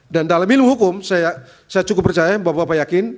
dan dalam ilmu hukum saya cukup percaya bapak bapak yakin